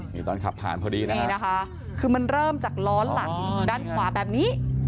นี่ตอนขับผ่านพอดีนะนี่นะคะคือมันเริ่มจากล้อหลังด้านขวาแบบนี้